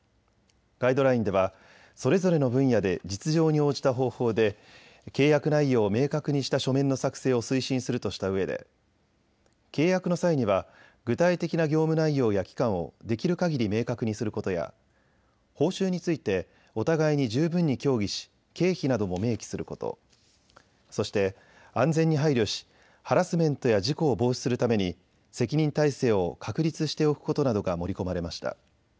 ガイドラインではそれぞれの分野で実情に応じた方法で契約内容を明確にした書面の作成を推進するとしたうえで契約の際には具体的な業務内容や期間をできるかぎり明確にすることや報酬についてお互いに十分に協議し経費なども明記すること、そして安全に配慮しハラスメントや事故を防止するために責任体制を確立しておくことなどが盛り込まれました。